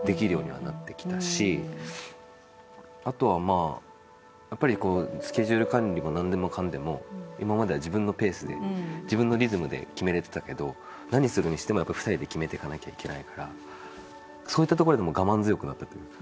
あとはまあやっぱりスケジュール管理もなんでもかんでも今までは自分のペースで自分のリズムで決められてたけど何するにしても２人で決めていかなきゃいけないからそういったところでも我慢強くなったというか。